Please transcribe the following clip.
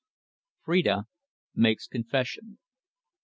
PHRIDA MAKES CONFESSION.